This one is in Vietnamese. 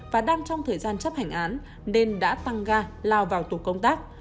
và đang trong thời gian chấp hành án nên đã tăng ga lao vào tổ công tác